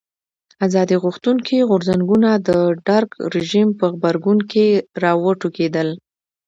ازادي غوښتونکي غورځنګونه د درګ رژیم په غبرګون کې راوټوکېدل.